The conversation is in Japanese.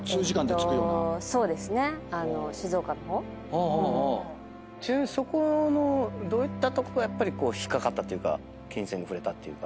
ちなみにそこのどういったとこがやっぱり引っ掛かったっていうか琴線に触れたっていうか。